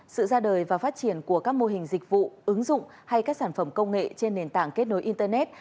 sự ra đời và phát triển của các mô hình dịch vụ ứng dụng hay các sản phẩm công nghệ trên nền tảng kết nối internet